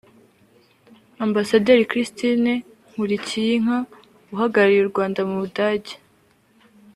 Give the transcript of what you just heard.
Ambasaderi Christine Nkulikiyinka uhagarariye u Rwanda mu Budage